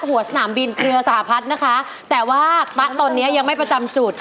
แต่แปลตันตัวตอนนี้ยังไม่ประจำจุด